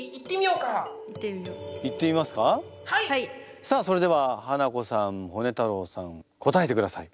さあそれではハナコさんホネ太郎さん答えてください。